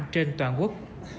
trên toàn quốc